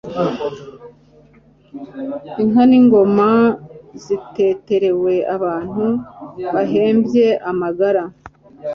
Inka n'ingoma ziteterewe Abantu bahebye amagara,